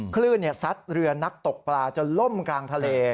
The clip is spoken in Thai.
คลื่นซัดเรือนักตกปลาจนล่มกลางทะเล